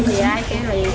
một ngày sáu ngày ba ngày